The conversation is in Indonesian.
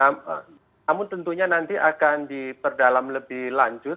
namun tentunya nanti akan diperdalam lebih lanjut